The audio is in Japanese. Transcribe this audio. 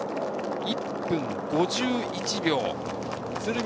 １分５１秒、鶴見